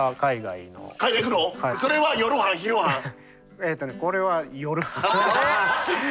えとねこれは夜班。